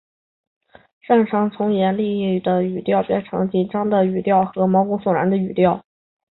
善长从严厉的语调到变成紧张的语调和毛骨悚然的语调。